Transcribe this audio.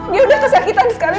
dia udah kesakitan sekali